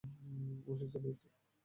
অবশ্যই, চালিয়েছি।